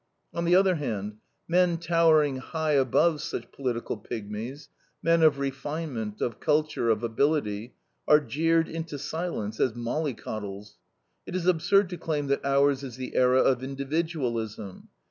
On the other hand, men towering high above such political pygmies, men of refinement, of culture, of ability, are jeered into silence as mollycoddles. It is absurd to claim that ours is the era of individualism.